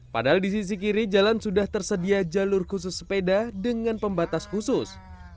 padahal di sisi kiri jalan sudah tersedia jalur khusus sepeda dengan pembatas khusus